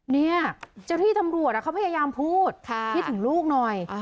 เนี่ยเจ้าที่ตำรวจเขาพยายามพูดคิดถึงลูกหน่อย